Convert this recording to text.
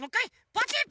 ポチッ！